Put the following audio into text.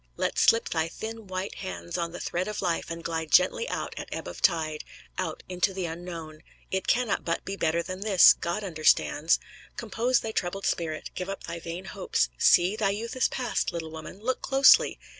Let slip thy thin, white hands on the thread of life and glide gently out at ebb of tide out into the unknown. It can not but be better than this God understands! Compose thy troubled spirit, give up thy vain hopes. See! thy youth is past, little woman; look closely!